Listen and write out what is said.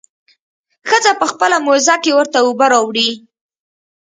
ښځه په خپله موزه کښې ورته اوبه راوړي.